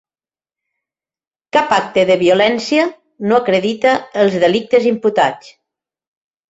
Cap acte de violència no acredita els delictes imputats.